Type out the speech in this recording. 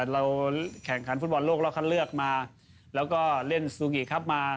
เราแข่งขันฟุตบอลโลกรอบคัดเลือกมาแล้วก็เล่นซูกิครับมา